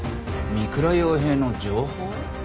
三倉陽平の情報？